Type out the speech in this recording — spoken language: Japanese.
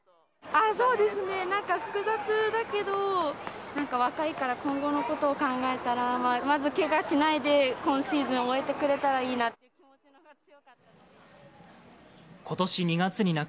そうですね、なんか複雑だけど、なんか若いから、今後のことを考えたら、まずけがしないで、今シーズン終えてくれたらいいな。